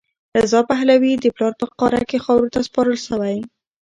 رضا پهلوي د پلار په قاره کې خاورو ته سپارل شوی.